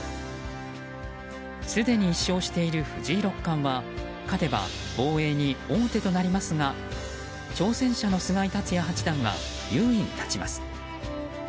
すでに１勝している藤井六冠は勝てば防衛に王手となりますが挑戦者の菅井竜也八段が優位に立ちます。